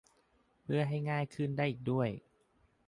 เพื่อให้ง่ายขึ้นได้อีกด้วย